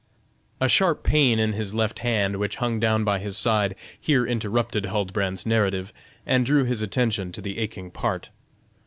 A sharp pain in his left hand, which hung down by his side, here interrupted Huldbrand's narrative, and drew his attention to the aching part.